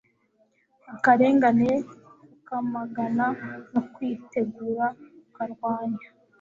akarengane, kukamagana no kwitegura kukarwanya